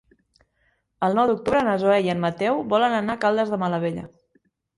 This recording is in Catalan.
El nou d'octubre na Zoè i en Mateu volen anar a Caldes de Malavella.